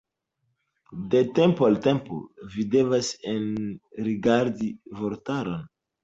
De tempo al tempo vi devas enrigardi vortaron.